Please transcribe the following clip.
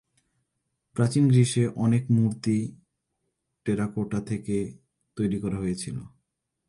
প্রাচীন গ্রীসে, অনেক মূর্তি টেরাকোটা থেকে তৈরি করা হয়েছিল।